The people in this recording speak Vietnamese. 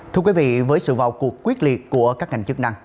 thưa quý vị với sự vào cuộc quyết liệt của các ngành chức năng